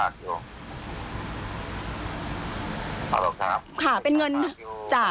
สวัสดีครับ